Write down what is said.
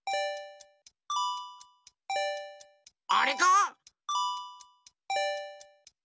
あれか？